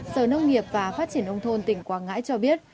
sở nông nghiệp và phát triển nông thôn tỉnh quảng ngãi cho biết